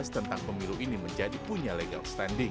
tentang pemilu ini menjadi punya legal standing